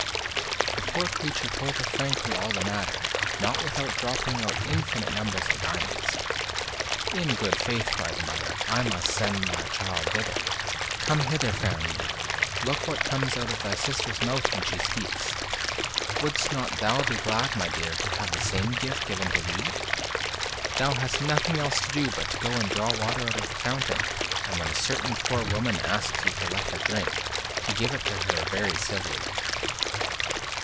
The poor creature told her frankly all the matter, not without dropping out infinite numbers of diamonds. "In good faith," cried the mother, "I must send my child thither. Come hither, Fanny; look what comes out of thy sister's mouth when she speaks. Wouldst not thou be glad, my dear, to have the same gift given thee? Thou hast nothing else to do but go and draw water out of the fountain, and when a certain poor woman asks you to let her drink, to give it to her very civilly."